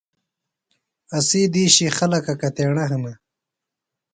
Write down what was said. اسی دِیشی خلکہ کتیݨہ ہِنہ؟